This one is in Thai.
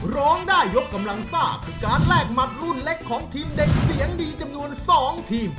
ร้องได้ยกกำลังซ่าคือการแลกหมัดรุ่นเล็กของทีมเด็กเสียงดีจำนวน๒ทีม